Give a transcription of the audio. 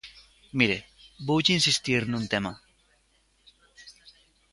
Mire, voulle insistir nun tema.